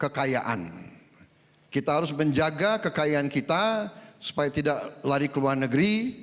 kekayaan kita harus menjaga kekayaan kita supaya tidak lari ke luar negeri